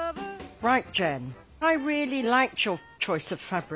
はい。